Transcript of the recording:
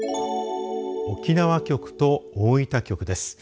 沖縄局と大分局です。